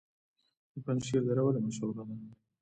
د پنجشیر دره ولې مشهوره ده؟